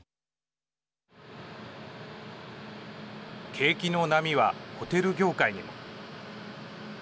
景気の波はホテル業界にも。